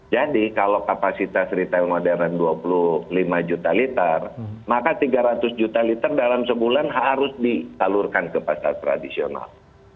jadi kalau kapasitas retail modern dua puluh lima juta liter maka tiga ratus juta liter dalam sebulan harus ditalurkan ke pasar tradisional